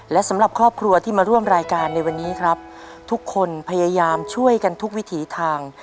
และสำหรับครอบครัวที่มาร่วมรายการในวันนี้ครับทุกคนพยายามช่วยกันทุกวิถีทาง